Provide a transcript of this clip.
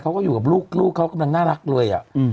เขาก็อยู่กับลูกเขากำลังน่ารักเลย